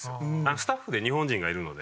スタッフで日本人がいるので。